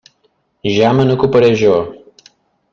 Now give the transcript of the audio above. Ja me n'ocuparé jo.